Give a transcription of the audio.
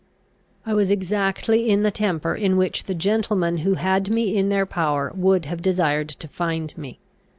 I was exactly in the temper in which the gentlemen who had me in their power would have desired to find me.